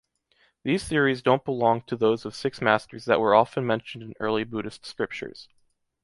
These theories don’t belong to those of six masters that were often mentioned in early Buddhist scriptures